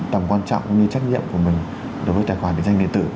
tầm quan trọng cũng như trách nhiệm của mình đối với tài khoản địa danh địa tử